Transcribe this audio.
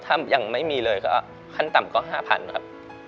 ถ้ายังไม่มีเลยก็ขั้นต่ำก็๕๐๐๐ครับ